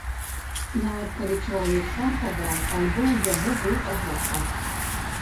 Нават калі чалавек сам падаў, альбо ў яго быў адвакат.